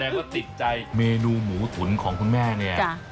ว่าติดใจเมนูหมูตุ๋นของคุณแม่เนี่ย